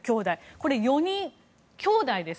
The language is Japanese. これ、４人はきょうだいです。